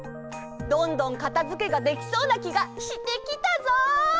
どんどんかたづけができそうなきがしてきたぞ。